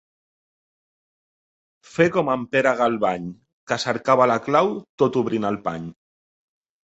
Fer com en Pere Galvany, que cercava la clau tot obrint el pany.